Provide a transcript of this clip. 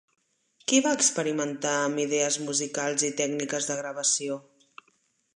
Qui va experimentar amb idees musicals i tècniques de gravació?